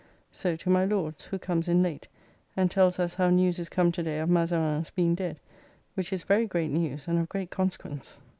So to my Lord's, who comes in late and tells us how news is come to day of Mazarin's being dead, which is very great news and of great consequence.